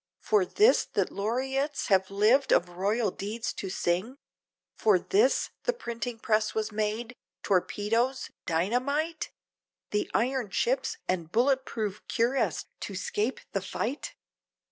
For this! that laureates have lived of royal deeds to sing? For this! the printing press was made, torpedoes, dynamite? The iron ships, and bullet proof cuirass to scape the fight?